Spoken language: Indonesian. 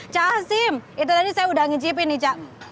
cak asim itu tadi saya udah ngecipin nih cak